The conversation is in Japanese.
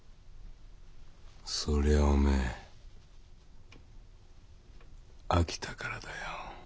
そりゃお前飽きたからだよ。